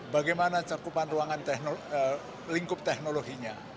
bagaimana cekupan lingkup teknologinya